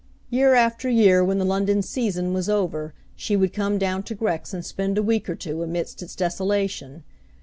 Year after year when the London season was over she would come down to Grex and spend a week or two amidst its desolation.